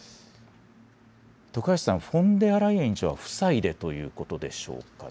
徳橋さん、フォンデアライエン委員長は夫妻でということでしょうかね。